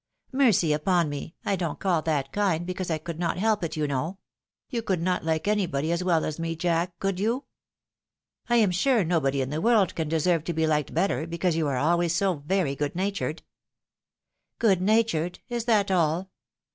" Mercy upon me ! I don't call that kind, because I could not help it, you know. You could not like anybody as well as me. Jack, could you?" "I am sure nobody in the world can deserve to be Hked bet ter, because you are always so very good natured." " Good natured ! Is that aU ?